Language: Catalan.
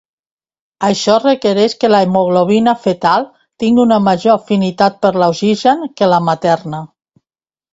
Això requereix que l’hemoglobina fetal tingui una major afinitat per l’oxigen que la materna.